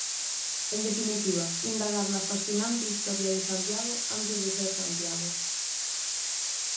En definitiva, indagar na fascinante historia de Santiago... antes de ser Santiago.